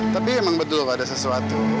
tapi emang betul ada sesuatu